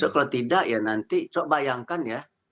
kalau tidak ya nanti coba bayangkan ya